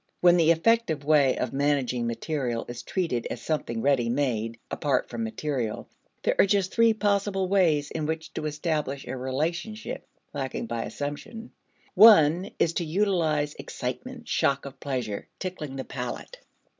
When the effective way of managing material is treated as something ready made apart from material, there are just three possible ways in which to establish a relationship lacking by assumption. One is to utilize excitement, shock of pleasure, tickling the palate.